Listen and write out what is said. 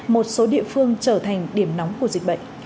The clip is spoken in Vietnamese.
một số địa phương trở thành điểm nóng của dịch bệnh